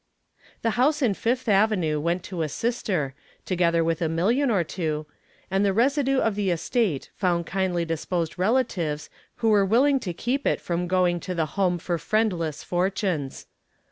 The house in Fifth Avenue went to a sister, together with a million or two, and the residue of the estate found kindly disposed relatives who were willing to keep it from going to the Home for Friendless Fortunes.